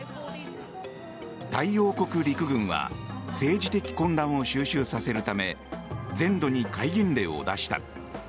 タイ王国陸軍は政治的混乱を収拾させるため全土に厳戒令を出した。